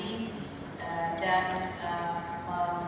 untuk mengambil kesempatan